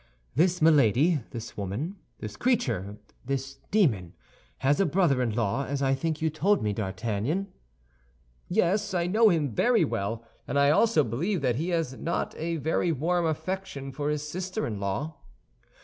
"This Milady, this woman, this creature, this demon, has a brother in law, as I think you told me, D'Artagnan?" "Yes, I know him very well; and I also believe that he has not a very warm affection for his sister in law."